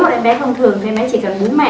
em bé không thường thì em bé chỉ cần bú mẹ